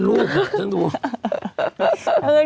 มะม่วงสุกก็มีเหมือนกันมะม่วงสุกก็มีเหมือนกัน